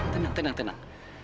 tenang tenang tenang